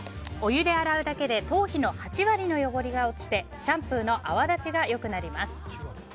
お湯で洗うだけで頭皮の８割の汚れが落ちてシャンプーの泡立ちが良くなります。